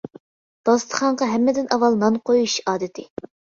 داستىخانغا ھەممىدىن ئاۋۋال نان قويۇش ئادىتى.